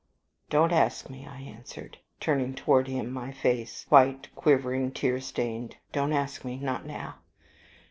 "Don't ask me," I answered, turning towards him my face, white, quivering, tear stained. "Don't ask me. Not now.